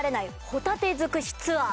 ホタテ尽くしツアー。